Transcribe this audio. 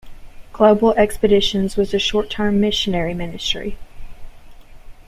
Global Expeditions was a short-term missionary ministry.